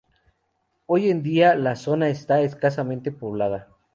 Hoy en día la zona está escasamente poblada.